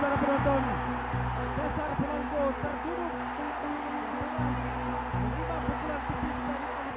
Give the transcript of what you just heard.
cesar polanco terturut menang